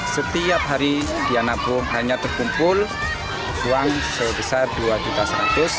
setiap hari di anabung hanya terkumpul uang sebesar dua seratus rupiah